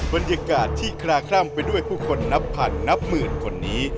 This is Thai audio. บรรยากาศที่คลาคล่ำไปด้วยผู้คนนับพันนับหมื่นคนนี้